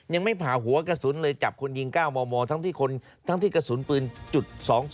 ยังไม่ผ่าหัวกระสุนเลยจับคนยิง๙มมทั้งที่กระสุนปืนจุด๒๒